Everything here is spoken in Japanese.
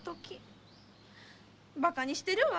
バカにしてるわ！